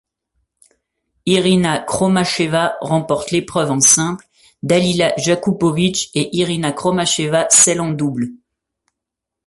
Irina Khromacheva remporte l'épreuve en simple, Dalila Jakupović et Irina Khromacheva celle en double.